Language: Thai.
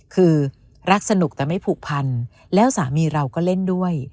คือรักสนุกแต่ไม่ผูกพันแล้วสามีเราก็เล่นด้วย